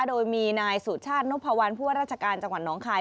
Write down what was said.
โดยมีนายสุชาตินพวัลผู้ว่าราชการจังหวัดน้องคาย